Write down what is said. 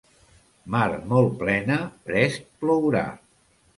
Mar molt plena, prest plourà.